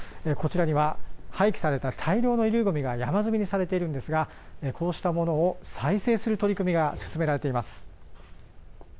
こちらには廃棄された大量の衣類ゴミが山積みにされているんですがこうしたものを再生する取り組みが進められています。